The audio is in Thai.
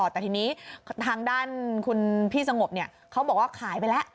แต่ทีนี้ทางด้านคุณพี่สงบเขาบอกว่าขายไปแล้ว